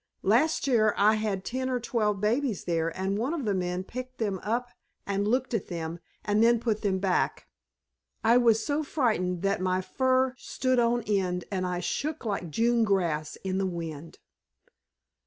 Last year I had ten or twelve babies there, and one of the men picked them up and looked at them and then put them back. I was so frightened that my fur stood on end and I shook like June grass in the wind."